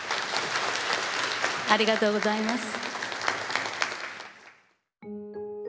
ありがとうございます。